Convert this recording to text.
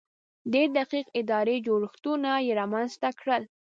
ډېر دقیق اداري جوړښتونه یې رامنځته کړل.